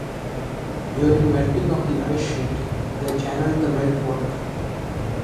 During melting of the ice sheet they channeled the melt water.